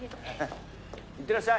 行ってらっしゃい。